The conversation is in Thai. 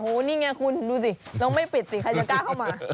โอ้โหนี่ไงคุณดูสิต้องไม่ปิดสิใครจะกล้าเข้ามา